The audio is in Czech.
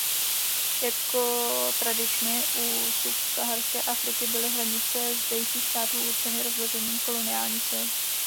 Jako tradičně u Subsaharské Afriky byly hranice zdejších států určeny rozložením koloniálních sil.